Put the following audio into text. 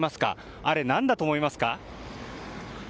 あれ、何だと思いますかね。